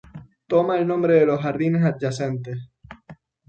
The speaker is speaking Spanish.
Toma el nombre de los jardines adyacentes.